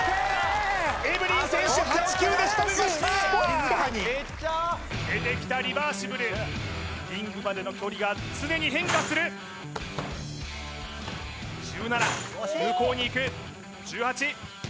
エブリン選手スポッて入った出てきたリバーシブルリングまでの距離が常に変化する１７向こうにいく１８